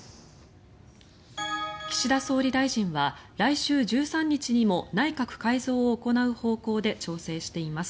岸田総理大臣は来週１３日にも内閣改造を行う方向で調整しています。